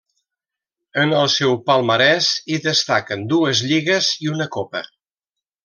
En el seu palmarès hi destaquen dues lligues i una copa.